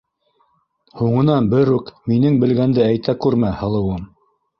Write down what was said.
Һуңынан берүк минең белгәнде әйтә күрмә, һылыуым!